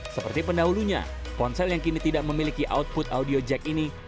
seperti pendahulunya ponsel yang kini tidak memiliki output audio jack ini